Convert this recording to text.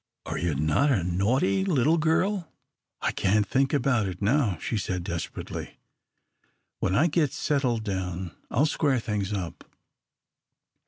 Are you not a naughty little girl?" "I can't think about it now," she said, desperately. "When I git settled down I'll square things up.